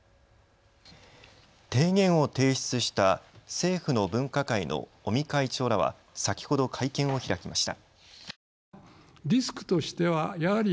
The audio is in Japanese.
提言を提出した政府の分科会の尾身会長らは先ほど会見を開きました。